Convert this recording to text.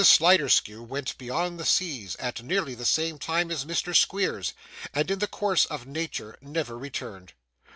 Sliderskew went beyond the seas at nearly the same time as Mr Squeers, and in the course of nature never returned.